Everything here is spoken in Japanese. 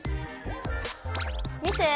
見て！